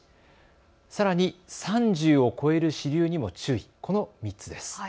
さらに３０を超える支流にも注意、この３つです。